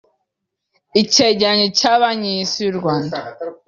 Icyegeranyo cya Banki y’Isi ku bukungu